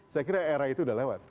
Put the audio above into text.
saya kira era itu sudah lewat